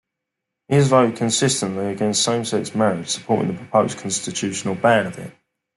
He has voted consistently against same-sex marriage, supporting the proposed constitutional ban of it.